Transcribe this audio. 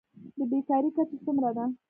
د بیکارۍ کچه څومره ده؟